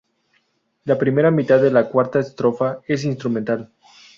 La primera mitad de la cuarta estrofa es instrumental.